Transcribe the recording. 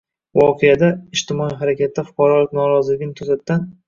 voqeada, ijtimoiy harakatda, fuqarolik noroziligining to‘satdan